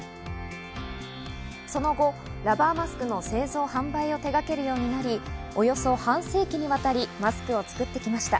その後、ラバーマスクの製造・販売を手がけるようになり、およそ半世紀にわたりマスクを作ってきました。